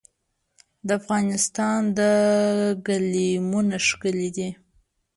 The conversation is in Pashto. د افغانستان ګلیمونه ښکلي دي